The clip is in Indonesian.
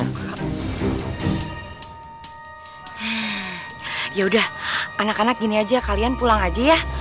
hmm ya udah anak anak gini aja kalian pulang aja ya